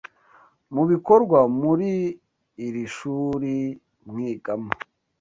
mubikorwa muri iri shuri mwigamo